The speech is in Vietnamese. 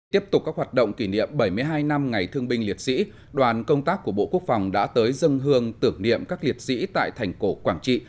tiếp tục các hoạt động kỷ niệm bảy mươi hai năm ngày thương binh liệt sĩ đoàn công tác của bộ quốc phòng đã tới dân hương tưởng niệm các liệt sĩ tại thành cổ quảng trị